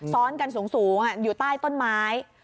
ซ้อนกันสูงอยู่ใต้ต้นไม้